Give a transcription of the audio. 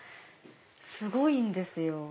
すごいんですよ。